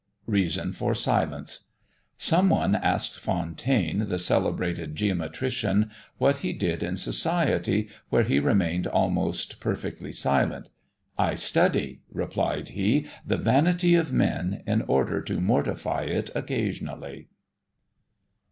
REASON FOR SILENCE. Some one asked Fontaine, the celebrated geometrician, what he did in society where he remained almost perfectly silent. "I study," replied he, "the vanity of men, in order to mortify it occasionally."